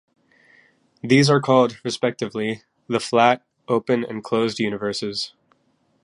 These are called, respectively, the flat, open and closed universes.